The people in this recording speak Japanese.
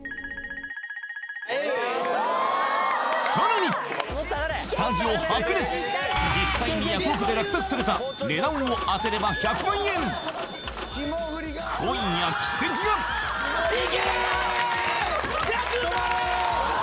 さらにスタジオ白熱実際にヤフオク！で落札された値段を当てれば１００万円今夜奇跡がいけーっ！